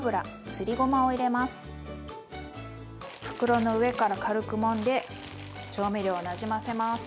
袋の上から軽くもんで調味料をなじませます。